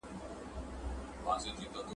تاسي خپل شروط د نجلۍ له کورنۍ سره شريک کړئ.